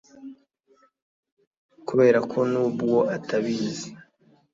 kubera ko nubwo atabizi